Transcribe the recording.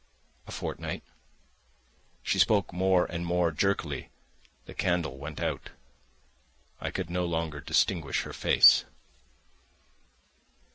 "A fortnight." She spoke more and more jerkily. The candle went out; I could no longer distinguish her face.